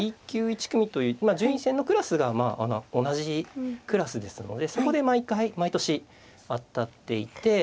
Ｂ級１組という順位戦のクラスが同じクラスですのでそこで毎回毎年当たっていて。